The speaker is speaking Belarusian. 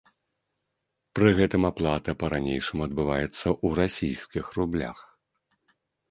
Пры гэтым аплата па-ранейшаму адбываецца ў расійскіх рублях.